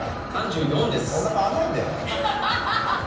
そんな変わんないんだよ。